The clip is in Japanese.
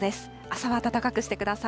朝は暖かくしてください。